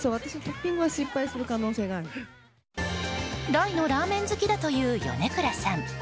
大のラーメン好きだという米倉さん。